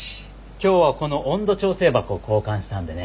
今日はこの温度調整箱を交換したんでね